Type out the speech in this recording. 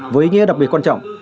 với ý nghĩa đặc biệt quan trọng